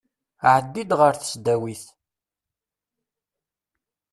Ɛeddi-d ɣer tesdawit.